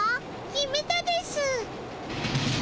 決めたです。